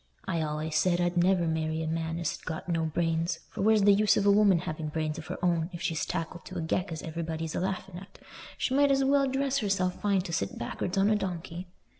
I allays said I'd never marry a man as had got no brains; for where's the use of a woman having brains of her own if she's tackled to a geck as everybody's a laughing at? She might as well dress herself fine to sit back'ards on a donkey."